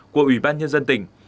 của ủy ban nhân dân tỉnh